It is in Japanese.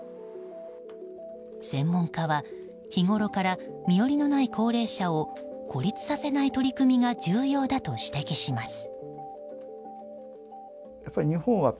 専門家は日ごろから身寄りのない高齢者を孤立させない取り組みが重要だと指摘します。